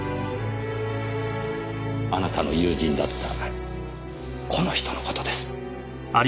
あなたの友人だったこの人のことです。